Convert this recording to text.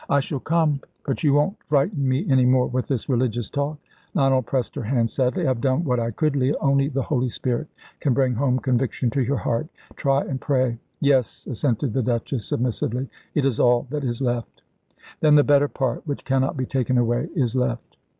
"I shall come." "But you won't frighten me any more with this religious talk?" Lionel pressed her hand sadly. "I have done what I could, Leah. Only the Holy Spirit can bring home conviction to your heart. Try and pray." "Yes," assented the Duchess, submissively; "it is all that is left." "Then the better part, which cannot be taken away, is left."